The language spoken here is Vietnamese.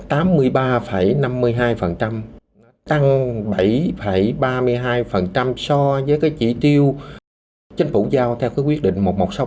tăng bảy ba mươi hai so với chỉ tiêu chính phủ giao theo quyết định một nghìn một trăm sáu mươi bảy